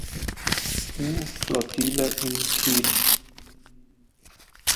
U-Flottille in Kiel.